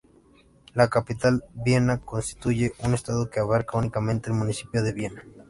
La capital, Viena, constituye un estado que abarca únicamente el municipio de Viena.